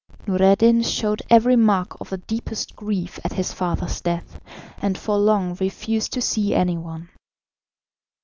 Noureddin showed every mark of the deepest grief at his father's death, and for long refused to see any one.